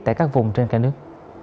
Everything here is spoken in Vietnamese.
tại các vùng trên cả nước